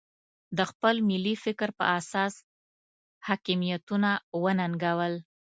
د خپل ملي فکر په اساس حاکمیتونه وننګول.